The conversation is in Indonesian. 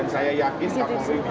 saya minta kak mowri turun tangan